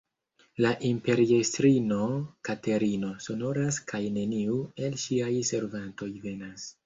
La imperiestrino Katerino sonoras kaj neniu el ŝiaj servantoj venas.